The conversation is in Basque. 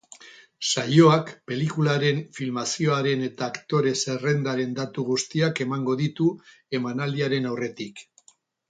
Saioak pelikularen filmazioaren eta aktore zerrendaren datu guztiak emango ditu emanaldiaren aurretik.